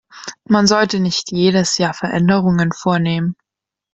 Man sollte nicht jedes Jahr Veränderungen vornehmen.